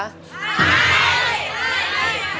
ให้